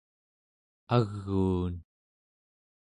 aguun